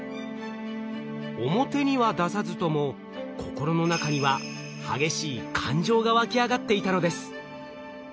表には出さずとも心の中には激しい感情がわき上がっていたのです。